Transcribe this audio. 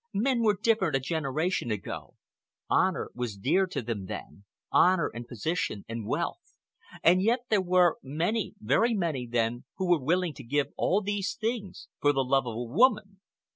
Men were different a generation ago. Honor was dear to them then, honor and position and wealth, and yet there were many, very many then who were willing to give all these things for the love of a woman.